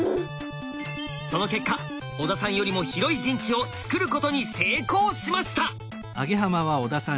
その結果小田さんよりも広い陣地をつくることに成功しました！